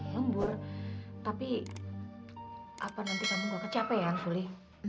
lembur tapi apa nanti kamu nggak kecapek ya suli